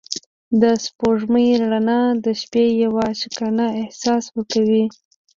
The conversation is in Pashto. د سپوږمۍ رڼا د شپې یو عاشقانه احساس ورکوي.